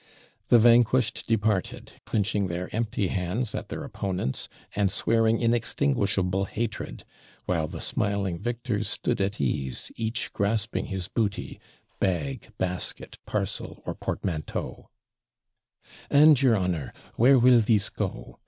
The vanquished departed, clinching their empty hands at their opponents, and swearing inextinguishable hatred; while the smiling victors stood at ease, each grasping his booty bag, basket, parcel, or portmanteau: 'And, your honour, where WILL these go?